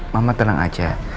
mama tenang aja